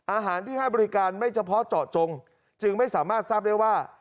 อาหารที่ให้บริการไม่เฉพาะเจาะจงจึงไม่สามารถทราบได้ว่า